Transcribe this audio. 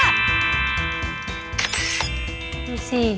นี่สิ